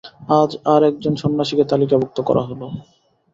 আজ আর একজন সন্ন্যাসীকে তালিকাভুক্ত করা হল।